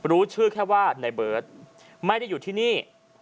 รู้ชื่อแค่ว่าในเบิร์ตไม่ได้อยู่ที่นี่